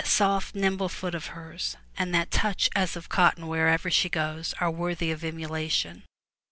255 MY BOOK HOUSE soft, nimble foot of hers, and that touch as of cotton wherever she goes, are worthy of emulation.